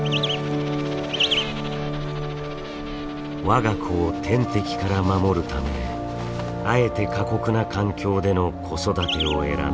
我が子を天敵から守るためあえて過酷な環境での子育てを選んだコウテイペンギン。